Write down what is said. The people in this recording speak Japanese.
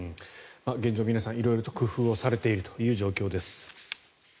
現状、皆さん色々と工夫されている状況です。